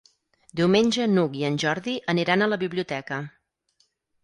Diumenge n'Hug i en Jordi aniran a la biblioteca.